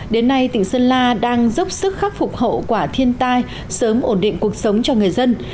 đến nay tỉnh sơn la đang dốc sức khắc phục hậu quả thiên tai sớm ổn định cuộc sống cho người dân